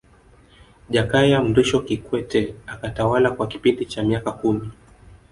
Jakaya Mrisho Kikwete akatawala kwa kipindi cha miaka kumi